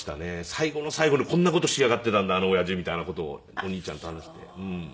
最後の最後にこんな事しやがっていたんだあの親父みたいな事をお兄ちゃんと話して。